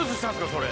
それ。